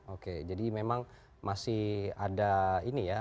oke jadi memang masih ada ini ya